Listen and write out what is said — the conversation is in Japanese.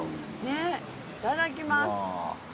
ねえいただきます。